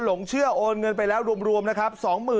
หลงเชื่อโอนเงินไปแล้วรวมนะครับ